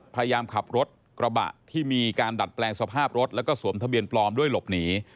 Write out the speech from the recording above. พยายามขับรถกระบะที่มีการดัดแปลงสภาพรถแล้วก็สวมทะเบียนปลอมด้วยหลบหนี